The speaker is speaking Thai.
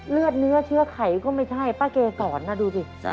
เลือดเนื้อเชื้อไขก็ไม่ใช่ป้าเกสอนนะดูสิ